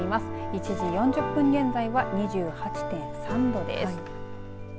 １時４０分現在は２８．３度です。